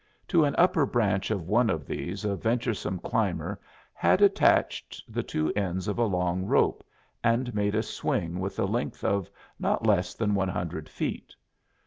To an upper branch of one of these a venturesome climber had attached the two ends of a long rope and made a swing with a length of not less than one hundred feet.